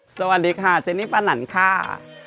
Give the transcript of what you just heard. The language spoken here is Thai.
สวัสดีค่ะเจนี่ป้านันค่ะ